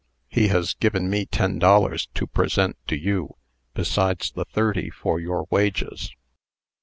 He has given me ten dollars to present to you, besides the thirty for your wages.'